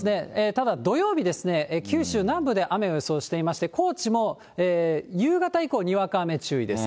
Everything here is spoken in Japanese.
ただ土曜日ですね、九州南部で雨を予想していまして、高知も夕方以降、にわか雨注意です。